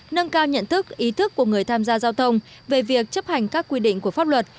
nâng cao nhận thức ý thức của người tham gia giao thông về việc chấp hành các quy định của pháp luật